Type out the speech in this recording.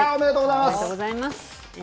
おめでとうございます。